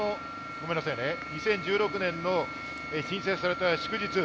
２０１６年に新設された祝日。